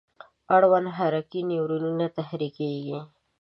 اړوند حرکي نیورون تحریکیږي.